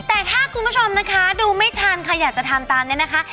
แต่ถ้าคุณผู้ชมนะคะดูไม่ทันค่ะอยากจะทำตามนี้นะคะ